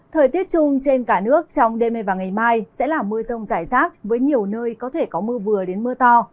thời tiết chung trên cả nước trong đêm nay và ngày mai sẽ là mưa rông rải rác với nhiều nơi có thể có mưa vừa đến mưa to